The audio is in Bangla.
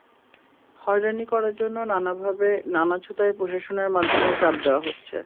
হয়রানি করার জন্য নানাভাবে, নানা ছুতায় প্রশাসনের মাধ্যমে চাপ দেওয়া হচ্ছে।